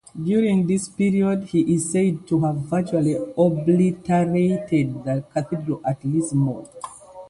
During this period he is said to have virtually obliterated the cathedral at Lismore.